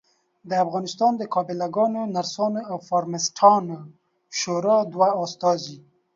د افغانستان د قابلګانو ، نرسانو او فارمیسټانو شورا دوه استازي